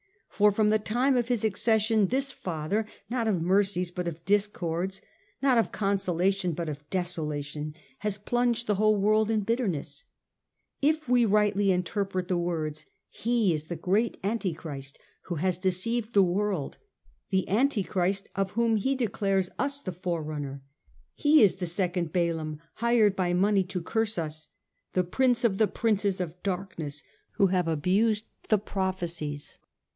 For from the time of his accession this Father, not of mercies but of discords, not of consolation but of desolation, has plunged the whole world in bitterness. If we rightly interpret the words, he is the great Antichrist, who has deceived the world, the Antichrist of whom he declares us the forerunner. He is a second Balaam hired by money to curse us ; the prince of the princes of darkness who have abused the prophecies.